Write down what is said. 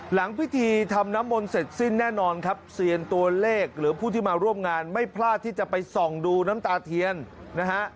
หลังพิธีทำน้ำมนต์เสร็จสิ้นแน่นอนครับเซียนตัวเลขหรือผู้ที่มาร่วมงานไม่พลาดที่จะไปส่องดูน้ำตาเทียนนะฮะ